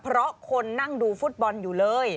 เพราะคนนั่งดูฟุตบอลอยู่เลย